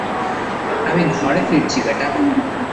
আমি ঘরে ফিরছি, বেটা!